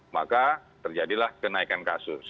maka terjadilah kenaikan kasus